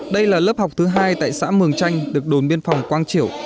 đây là lớp học thứ hai tại xã mường chanh được đồn biên phòng quang triểu